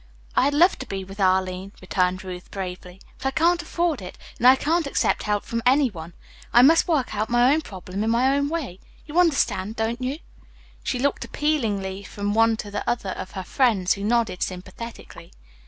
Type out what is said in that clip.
"I'd love to be with Arline," returned Ruth bravely, "but I can't afford it, and I can't accept help from any one. I must work out my own problem in my own way. You understand, don't you?" She looked appealingly from one to the other of her friends, who nodded sympathetically.